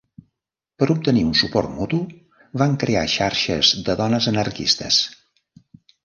Per obtenir un suport mutu, van crear xarxes de dones anarquistes.